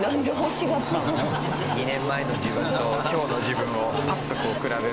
２年前の自分と今日の自分をパッとこう比べる。